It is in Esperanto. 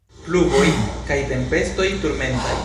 Pluvoj kaj tempestoj turmentaj.